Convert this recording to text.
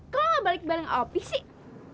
kalo gak balik balik opi sih